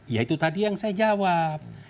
ya itu tadi yang saya jawab